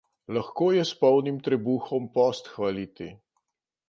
Lahko je s polnim trebuhom post hvaliti.